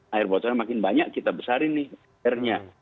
air bocornya makin banyak kita besarin nih airnya